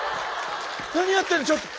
何やってんのちょっと。